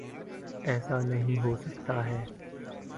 ایسا نہیں ہو سکا ہے۔